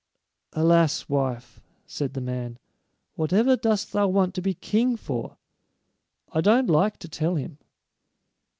"Alas, wife," said the man, "whatever dost thou want to be king for? I don't like to tell him."